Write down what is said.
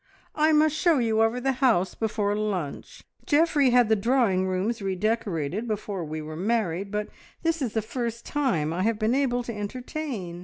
"I must show you over the house before lunch. Geoffrey had the drawing rooms redecorated before we were married, but this is the first time I have been able to entertain.